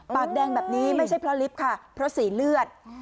ปากแดงแบบนี้ไม่ใช่เพราะลิฟต์ค่ะเพราะสีเลือด